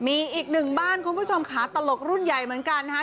มีอีกหนึ่งบ้านคุณผู้ชมค่ะตลกรุ่นใหญ่เหมือนกันนะฮะ